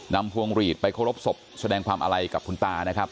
นำภวงหลีดไปโคลบศพแสดงความอะไรกับคุณตะนะครับ